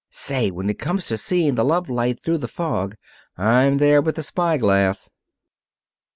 Say, when it comes to seeing the love light through the fog, I'm there with the spy glass."